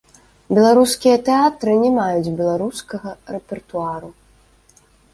Беларускія тэатры не маюць беларускага рэпертуару.